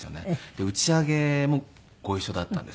で打ち上げもご一緒だったんです。